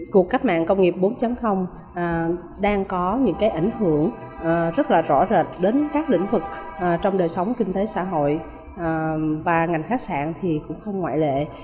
cuộc cách mạng công nghiệp bốn đang có những ảnh hưởng rất là rõ rệt đến các lĩnh vực trong đời sống kinh tế xã hội và ngành khách sạn thì cũng không ngoại lệ